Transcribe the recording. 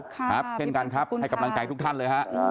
ครับเช่นกันครับให้กำลังใจทุกท่านเลยฮะ